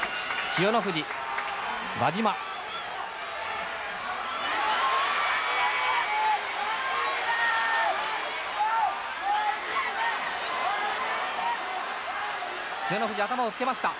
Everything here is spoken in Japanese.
千代の富士、頭をつけました。